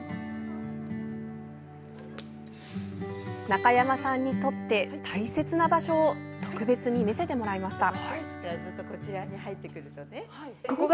中山さんにとって大切な場所を特別に見せてもらいました。